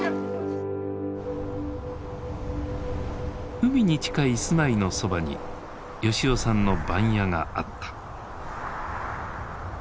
海に近い住まいのそばに吉男さんの番屋があった。